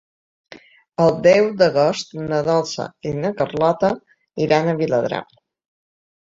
El deu d'agost na Dolça i na Carlota iran a Viladrau.